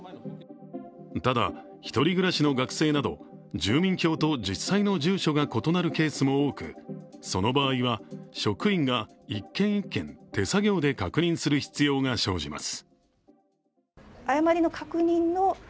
ただ、１人暮らしの学生など住民票と実際の住所が異なるケースも多く、その場合は職員が１件１件、手作業で確認する必要が生じます。